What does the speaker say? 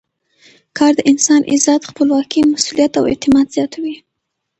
کار د انسان عزت، خپلواکي، مسؤلیت او اعتماد زیاتوي.